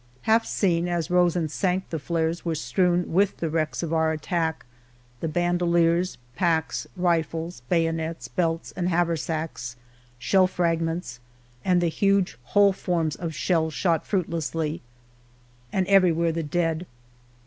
Half seen, as rose and sank the flares, were Ifrezvn With the wrecks of our attack: the bandoliers. Packs, rifles, bayonets, belts, and haversacks. Shell fragments, and the huge whole forms of shells Shot fruitlessly â and everywhere the dead.